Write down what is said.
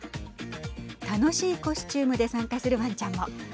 楽しいコスチュームで参加するわんちゃんも。